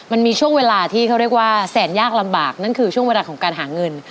มันมีช่วงเวลาที่เขาเรียกว่าแสนยากลำบากนั่นคือช่วงเวลาของการหาเงิน